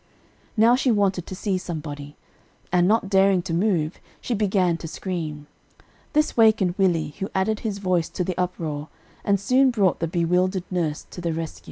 Now she wanted to see somebody, and, not daring to move, she began to scream. This wakened Willie, who added his voice to the uproar, and soon brought the bewildered nurse to the rescue.